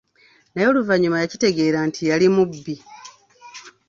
Naye oluvannyuma yakitegeera nti yali mubbi.